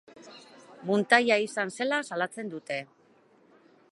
Muntaia izan zela salatzen dute.